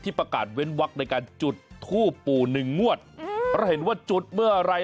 ประกาศเว้นวักในการจุดทูปปู่หนึ่งงวดเพราะเห็นว่าจุดเมื่อไหร่